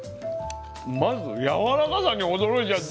まずやわらかさに驚いちゃった。